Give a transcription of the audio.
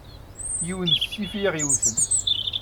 Yiwen n ssif i aɣ-iwten.